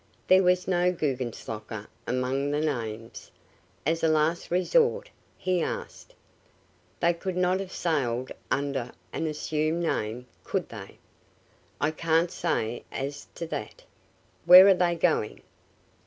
There was no Guggenslocker among the names. As a last resort h asked: "They could not have sailed under an assumed name, could they?" "I can't say as to that. Where are they going?"